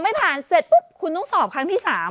ไม่ผ่านเสร็จปุ๊บคุณต้องสอบครั้งที่๓